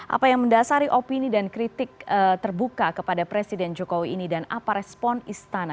apa yang mendasari opini dan kritik terbuka kepada presiden jokowi ini dan apa respon istana